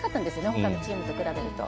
ほかのチームと比べると。